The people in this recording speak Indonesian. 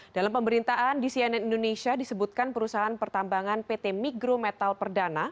dalam pemberitaan di cnn indonesia disebutkan perusahaan pertambangan pt mikro metal perdana